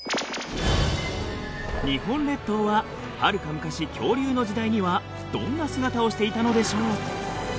日本列島ははるか昔恐竜の時代にはどんな姿をしていたのでしょう？